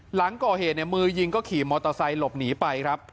หลังก่อเหตุเนี่ยมือยิงก็ขี่มอเตอร์ไซค์หลบหนีไปครับ